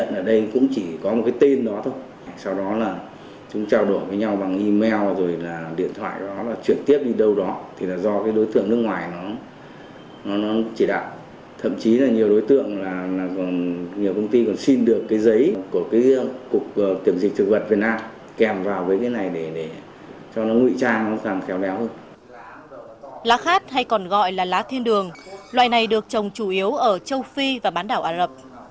lá khát hay còn gọi là lá thiên đường loài này được trồng chủ yếu ở châu phi và bán đảo ả rập